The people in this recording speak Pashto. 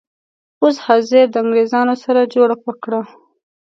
اوس حاضر د انګریزانو سره جوړه وکړه.